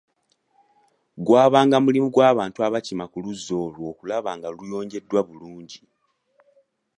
Gwabanga mulimu gw'abantu abakima ku luzzi olwo okulaba nga luyonjebwa bulungi.